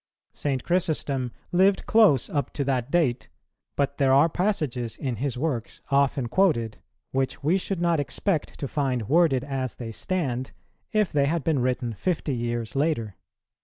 St. Chrysostom lived close up to that date, but there are passages in his works, often quoted, which we should not expect to find worded as they stand, if they had been written fifty years later.